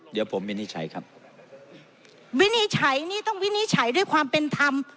เดี๋ยวผมวินิจฉัยครับวินิจฉัยนี่ต้องวินิจฉัยด้วยความเป็นธรรม